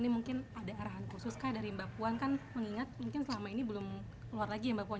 ini mungkin ada arahan khusus kah dari mbak puan kan mengingat mungkin selama ini belum keluar lagi ya mbak puan